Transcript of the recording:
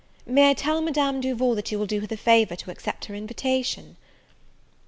May I tell Madame Duval that you will do her the favour to accept her invitation?"